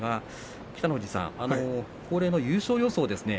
北の富士さん、恒例の優勝予想ですね。